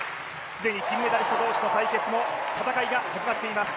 既に金メダリスト同士の対決も、戦いが始まっています。